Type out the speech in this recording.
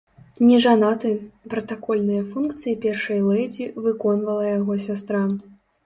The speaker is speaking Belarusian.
Нежанаты, пратакольныя функцыі першай лэдзі выконвала яго сястра.